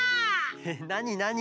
えっなになに！？